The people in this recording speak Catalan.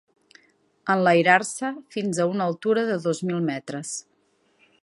Enlairar-se fins a una altura de dos mil metres.